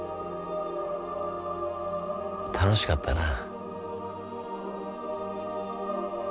楽しかったなぁ。